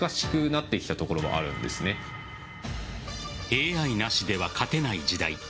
ＡＩなしでは勝てない時代。